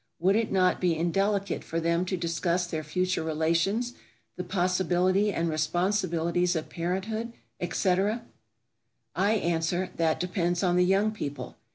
Would it not be indelicate for them to discuss their future relations, the possibility and responsibilities of parenthood, etc.?" I answer, that depends on the young people.